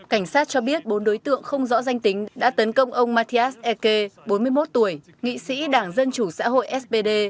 cảnh sát cho biết bốn đối tượng không rõ danh tính đã tấn công ông matthias eki bốn mươi một tuổi nghị sĩ đảng dân chủ xã hội spd